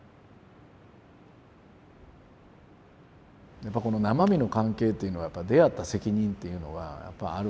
やっぱこの生身の関係というのは出会った責任っていうのはやっぱあるんですよね。